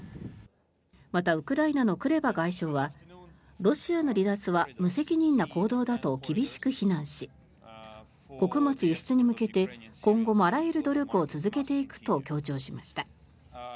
また、ウクライナのクレバ外相はロシアの離脱は無責任な行動だと厳しく非難し穀物輸出に向けて今後もあらゆる努力を続けていくと強調しました。